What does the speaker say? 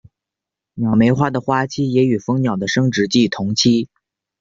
鸟媒花的花期也与蜂鸟的生殖季同期。